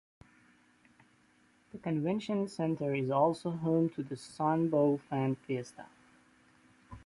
The convention center is also home to the Sun Bowl Fan Fiesta.